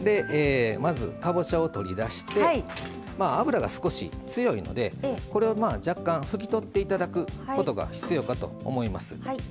まず、かぼちゃを取り出して油が少し強いのでこれは、若干拭き取っていただくことが必要かと思います。